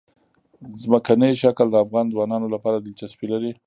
ځمکنی شکل د افغان ځوانانو لپاره دلچسپي لري.